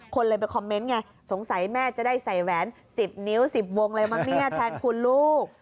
คนเลยไปคอมเมนต์ไงสงสัยแม่จะได้ใส่แหวน๑๐นิ้ว๑๐วงอะไรมาเบี้ยแทนคุณลูก